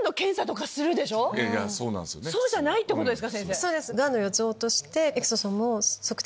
そうじゃないってことですか？